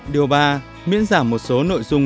điều ba miễn giảm một số nội dung